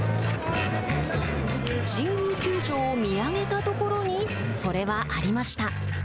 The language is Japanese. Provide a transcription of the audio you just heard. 神宮球場を見上げたところにそれはありました。